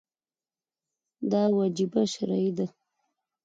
دا وجیبه شرعي ده.